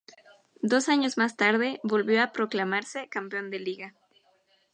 Dos años más tarde volvió a proclamarse campeón de Liga.